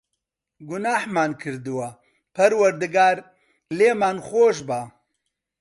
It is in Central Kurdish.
گوناحمان کردووە، پەروەردگار، لێمان خۆشبە.